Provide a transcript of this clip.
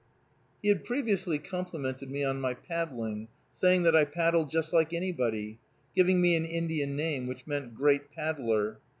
He had previously complimented me on my paddling, saying that I paddled "just like anybody," giving me an Indian name which meant "great paddler."